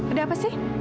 ada apa sih